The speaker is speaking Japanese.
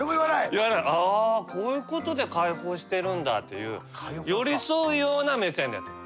「あこういうことで解放してるんだ」っていう寄り添うような目線でやってる。